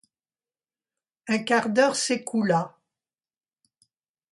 Un quart d'heure s’écoula.